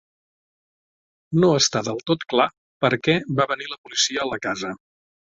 No està del tot clar perquè va venir la policia a la casa.